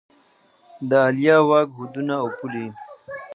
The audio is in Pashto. د عالیه واک حدونه او پولې